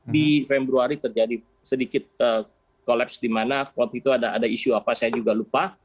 di februari terjadi sedikit kolaps di mana waktu itu ada isu apa saya juga lupa